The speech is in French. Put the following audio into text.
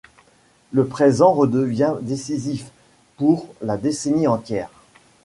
Le présent redevient décisif pour la décennie entière.